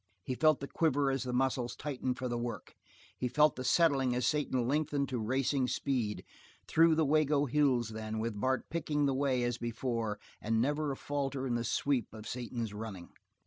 He felt the quiver as the muscles tightened for the work; he felt the settling as Satan lengthened to racing speed. Through the Wago Hills, then, with Bart picking the way as before, and never a falter in the sweep of Satan's running.